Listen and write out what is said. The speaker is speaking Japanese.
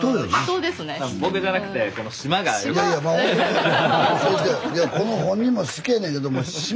いやこの本人も好きやねんけども島。